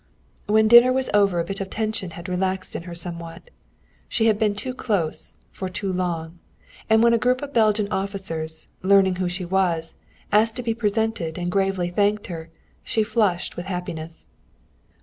When dinner was over a bit of tension had relaxed in her somewhat. She had been too close, for too long. And when a group of Belgian officers, learning who she was, asked to be presented and gravely thanked her, she flushed with happiness.